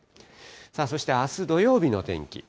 そしてあす土曜日の天気。